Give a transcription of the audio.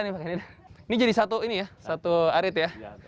ini jadi satu ini ya satu arit ya